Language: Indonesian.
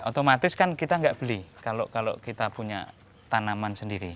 otomatis kan kita nggak beli kalau kita punya tanaman sendiri